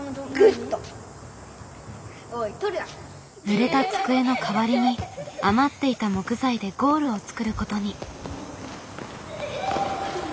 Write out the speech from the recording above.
ぬれた机の代わりに余っていた木材でゴールを作ることに。